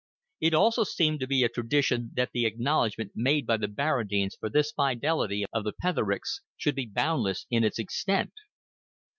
It also seemed to be a tradition that the acknowledgment made by the Barradines for this fidelity of the Pethericks should be boundless in its extent.